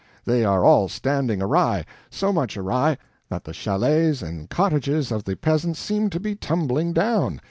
They are all standing awry, so much awry that the chalets and cottages of the peasants seem to be tumbling down.